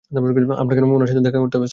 আমার কেন উনার সাথে দেখা করতে হবে, স্যার?